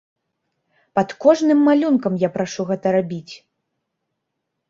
Пад кожным малюнкам я прашу гэта рабіць!